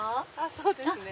そうですね。